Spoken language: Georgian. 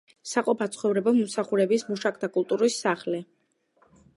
საყოფაცხოვრებო მომსახურების მუშაკთა კულტურის სახლი.